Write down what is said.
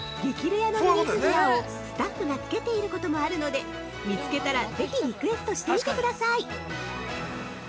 レアのミニフィギュアをスタッフがつけていることもあるので、見つけたら、ぜひリクエストしてみてください。